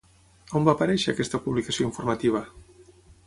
On va aparèixer aquesta publicació informativa?